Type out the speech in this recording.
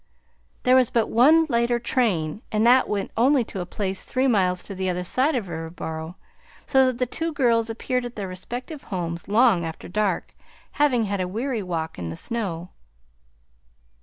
There was but one later train, and that went only to a place three miles the other side of Riverboro, so that the two girls appeared at their respective homes long after dark, having had a weary walk in the snow.